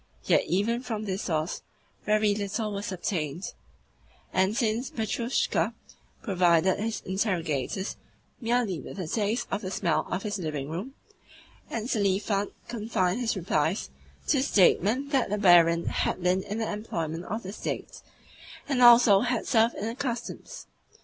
Yet even from this source very little was obtained, since Petrushka provided his interrogators merely with a taste of the smell of his living room, and Selifan confined his replies to a statement that the barin had "been in the employment of the State, and also had served in the Customs."